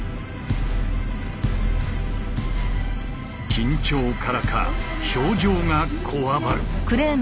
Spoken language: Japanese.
緊張からか表情がこわばる。